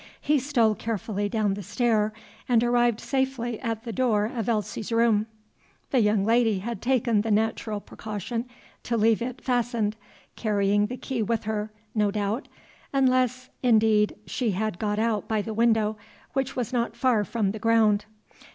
He stole carefully down the stair, and arrived safely at the door of Elsie's room. The young lady had taken the natural precaution to leave it fastened, carrying the key with her, no doubt, unless; indeed, she had got out by the window, which was not far from the ground.